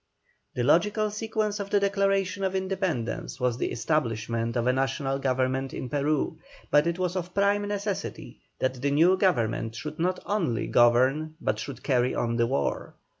The logical sequence of the Declaration of Independence, was the establishment of a National Government in Peru, but it was of prime necessity that the new government should not only govern but should carry on the war.